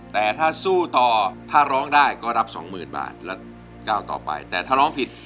แต่ถ้าสู้ต่อถ้าร้องได้ก็รับสองหมื่นบาทแล้วก้าวต่อไปแต่ถ้าร้องผิด